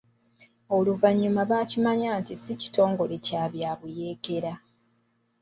Oluvannyuma baakimanya nti si kitongole kya bya buyeekera.